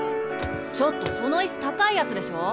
ちょっとその椅子高いやつでしょ。